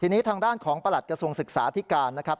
ทีนี้ทางด้านของประหลัดกระทรวงศึกษาที่การนะครับ